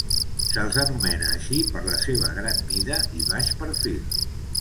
Se'ls anomena així per la seva gran mida i baix perfil.